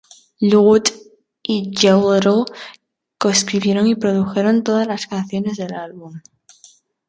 Lorde y Joel Little co-escribieron y produjeron todas las canciones del álbum.